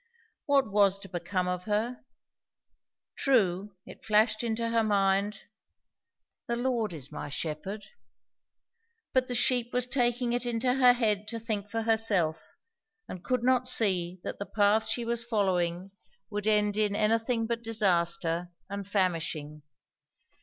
What was to become of her? True, it flashed into her mind, "The Lord is my Shepherd"; but the sheep was taking it into her head to think for herself, and could not see that the path she was following would end in anything but disaster and famishing.